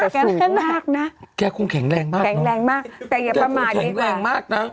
สูงมากนะแกคงแข็งแรงมากแข็งแรงมากแต่อย่าประมาณนี้กว่าแกคงแข็งแรงมากนะ